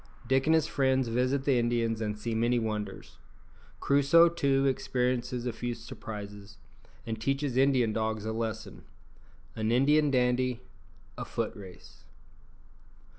_Dick and his friends visit the Indians and see many wonders Crusoe, too, experiences a few surprises, and teaches Indian dogs a lesson An Indian dandy A foot race.